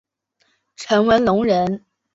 陈文龙人。